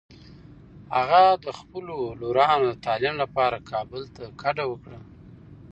هغه د خپلو لورانو د تعلیم لپاره کابل ته کډه وکړه.